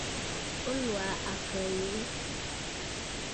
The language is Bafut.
O lɔ̀ɔ̀ aa àkə̀ aa ɛ?